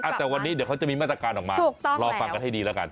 แต่วันนี้เดี๋ยวเขาจะมีมาตรการออกมารอฟังกันให้ดีแล้วกัน